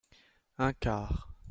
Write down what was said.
Un quart.